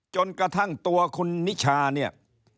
จนกระทั่งตัวคุณนิชาเนี่ย